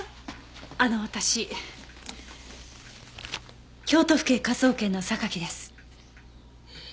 あの私京都府警科捜研の榊です。